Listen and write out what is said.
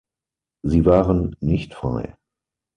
Sie waren nicht frei.